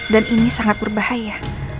dan ini sangat berbahaya